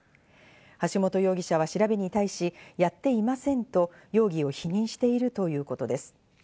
橋本容疑者は調べに対し、やっていませんと容疑を否認しているということです。